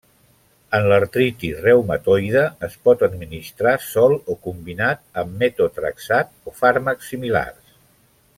En l'artritis reumatoide es pot administrar sol o combinat amb metotrexat o fàrmacs similars.